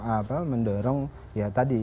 apa mendorong ya tadi